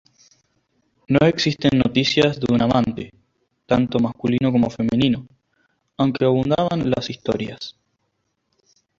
No existen noticias de un amante, tanto masculino como femenino, aunque abundaban las historias.